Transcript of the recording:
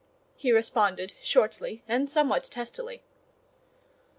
he responded shortly and somewhat testily.